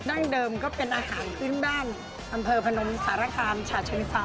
ดั้งเดิมก็เป็นอาหารพื้นบ้านอำเภอพนมสารคามฉะเชิงเซา